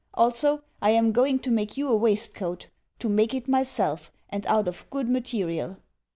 Also, I am going to make you a waistcoat to make it myself, and out of good material.